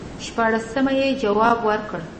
شپاړسمه یې جواب ورکړ.